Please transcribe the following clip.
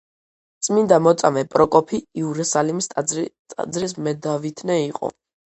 წმინდა მოწამე პროკოფი იერუსალიმის ტაძრის მედავითნე იყო.